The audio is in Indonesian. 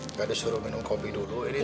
nggak disuruh minum kopi dulu ini teh